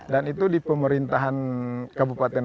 dan itu di pemerintahan kabupaten